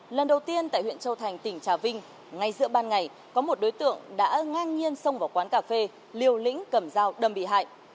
lần đầu tiên tại huyện châu thành tỉnh trà vinh ngay giữa ban ngày có một đối tượng đã ngang nhiên xông vào quán cà phê liều lĩnh cầm dao đâm bị hại